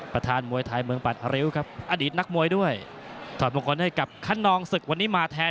ประธานมวยไทยเมืองปัดอาริ้วครับอดีตนักมวยด้วยถอดมงคลให้กับคนนองศึกวันนี้มาแทน